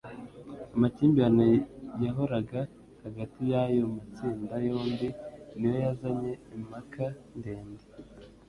Amakimbirane yahoraga hagati y'ayo matsinda yombi, niyo yazanye impaka ndende,